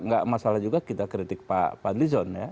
tidak ada masalah juga kita kritik pak fadlizon ya